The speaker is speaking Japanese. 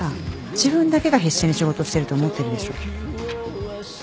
自分だけが必死に仕事してると思ってるでしょ？